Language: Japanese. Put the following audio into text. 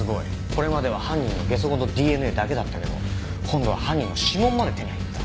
これまでは犯人の下足痕とＤＮＡだけだったけど今度は犯人の指紋まで手に入った。